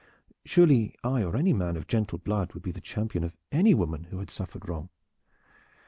"Surely I or any man of gentle blood would be the champion of any woman who had suffered wrong."